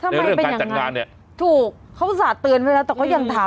ในเรื่องการจัดงานเนี่ยถูกเขาสาดเตือนไปแล้วแต่เขายังทำ